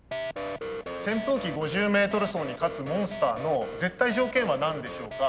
「扇風機５０Ｍ走」に勝つモンスターの絶対条件は何でしょうか。